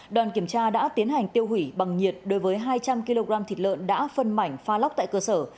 đoàn kiểm tra đã tiến hành tiêu hủy bằng nhiệt đối với hai trăm linh kg thịt lợn đã phân mảnh pha lóc tại cơ sở